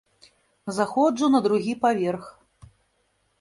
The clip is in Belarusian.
Заходжу на другі паверх.